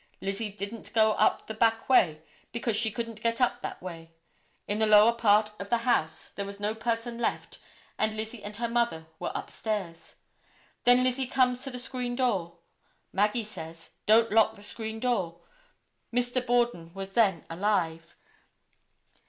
Lizzie didn't go up the back way because she couldn't get up that way. In the lower part of the house there was no person left and Lizzie and her mother were upstairs. Then Lizzie comes to the screen door. Maggie says, don't lock the screen door. Mr. Borden was then alive.